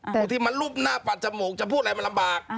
บางทีมันรูปหน้าปัดจมูกจะพูดอะไรมันลำบาก